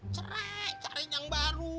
cere cari nyang baru